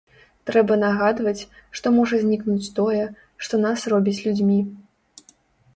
Трэба нагадваць, што можа знікнуць тое, што нас робіць людзьмі.